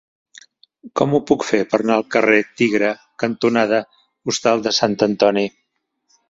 Com ho puc fer per anar al carrer Tigre cantonada Hostal de Sant Antoni?